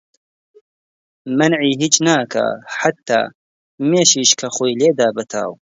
مەنعی هیچ ناکا حەتا مێشیش کە خۆی لێدا بە تاو